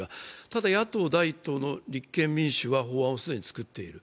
ただ野党第一党の立憲民主は法案を既に作っている。